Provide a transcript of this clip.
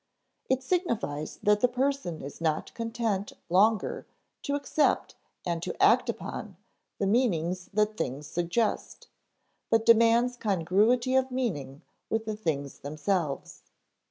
It signifies that the person is not content longer to accept and to act upon the meanings that things suggest, but demands congruity of meaning with the things themselves.